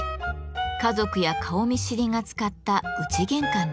家族や顔見知りが使った「内玄関」です。